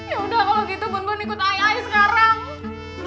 ya udah produto ikut ii sekarang